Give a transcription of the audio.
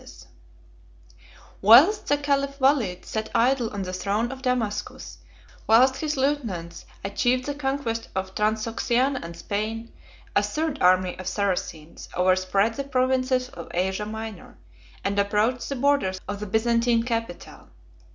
] Whilst the caliph Walid sat idle on the throne of Damascus, whilst his lieutenants achieved the conquest of Transoxiana and Spain, a third army of Saracens overspread the provinces of Asia Minor, and approached the borders of the Byzantine capital.